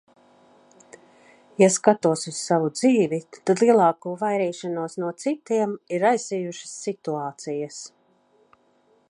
Ja skatos uz savu dzīvi, tad lielāko vairīšanos no citiem ir raisījušas situācijas.